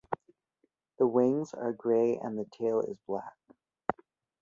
The wings are grey and the tail is black.